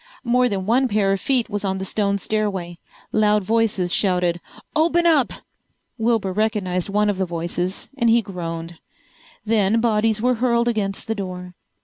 More than one pair of feet was on the stone stairway. Loud voices shouted, "Open up!" Wilbur recognized one of the voices and he groaned. Then bodies were hurled against the door.